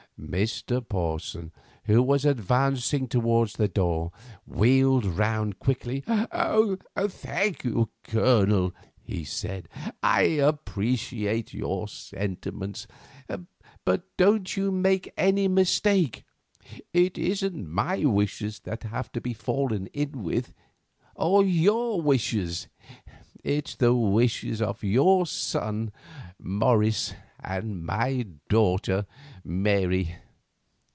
Mr. Porson, who was advancing towards the door, wheeled round quickly. "Thank you, Colonel," he said, "I appreciate your sentiments; but don't you make any mistake. It isn't my wishes that have to be fallen in with—or your wishes. It's the wishes of your son, Morris, and my daughter, Mary.